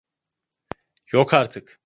Yok artık!